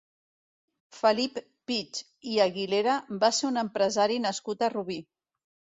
Felip Pich i Aguilera va ser un empresari nascut a Rubí.